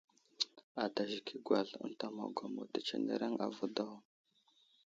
Ata zik i agwazl ənta magwamo tətsenereŋ avo daw.